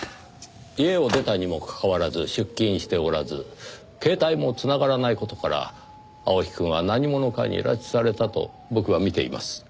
家を出たにもかかわらず出勤しておらず携帯も繋がらない事から青木くんは何者かに拉致されたと僕はみています。